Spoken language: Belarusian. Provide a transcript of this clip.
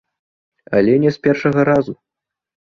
Але не з першага разу.